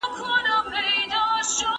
دولت د اقتصادي ودي لپاره نوي وسايل برابر کړل.